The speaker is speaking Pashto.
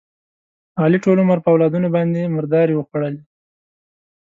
علي ټول عمر په اولادونو باندې مردارې وخوړلې.